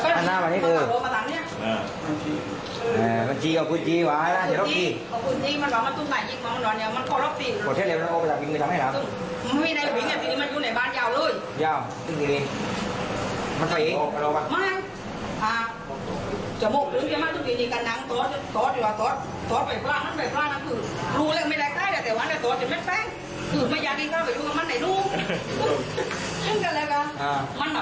จัวบรูชมึงแม่มันดูเหยียมนีกันนะฮะ